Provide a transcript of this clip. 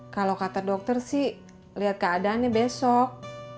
kalau kata dokter sih lihat keadaannya besok